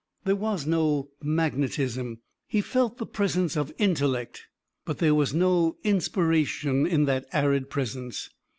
There was no magnetism. He felt the presence of intellect, but there was no inspiration in that arid presence.